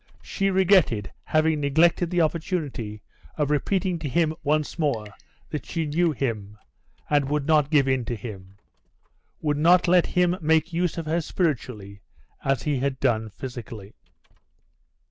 She regretted having neglected the opportunity of repeating to him once more that she knew him, and would not give in to him would not let him make use of her spiritually as he had done physically.